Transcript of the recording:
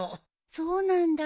そうなんだ。